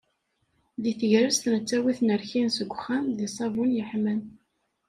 Deg tegrest, nettawi-ten rkin seg uxxam, deg ṣṣabun yeḥman.